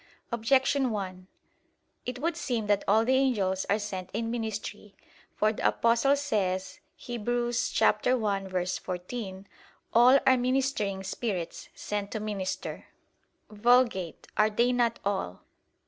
Objection 1: It would seem that all the angels are sent in ministry. For the Apostle says (Heb. 1:14): "All are ministering spirits, sent to minister" [Vulg. 'Are they not all